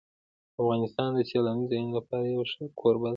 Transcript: افغانستان د سیلاني ځایونو لپاره یو ښه کوربه دی.